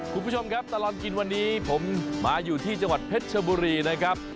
คุณผู้ชมครับตลอดกินวันนี้ผมมาอยู่ที่จังหวัดเพชรชบุรีนะครับ